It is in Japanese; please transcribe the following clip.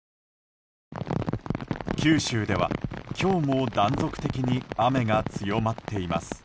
九州では、今日も断続的に雨が強まっています。